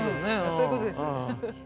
そういうことです。